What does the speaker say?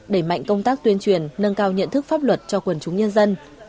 đẩy mạnh công tác tuyên truyền nâng cao nhận thức pháp luật cho quần chúng nhân dân